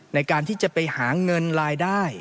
ในการที่จะไปหาเงินรายได้